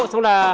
xong rồi hôm nay